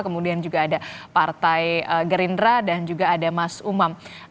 kemudian juga ada partai gerindra dan juga ada mas umam